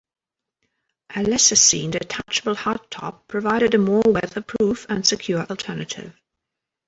A lesser seen detachable hardtop provided a more weatherproof and secure alternative.